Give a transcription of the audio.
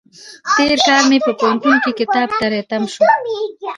تېر کال مې په پوهنتون کې کتاب تری تم شو.